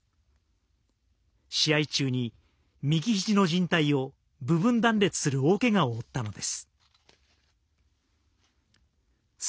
試合中に右ひじのじん帯を部分断裂する大けがを負ったのです。